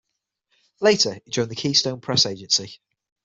Later, he joined the Keystone Press Agency.